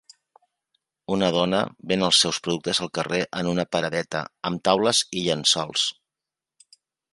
Una dona ven els seus productes al carrer en una paradeta amb taules i llençols.